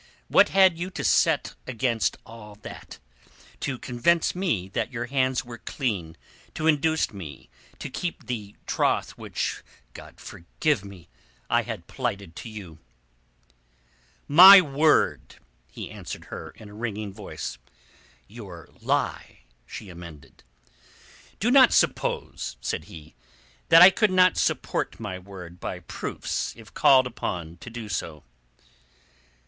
What had you to set against all that, to convince me that your hands were clean, to induce me to keep the troth which—God forgive me!—I had plighted to you?" "My word," he answered her in a ringing voice. "Your lie," she amended. "Do not suppose," said he, "that I could not support my word by proofs if called upon to do so."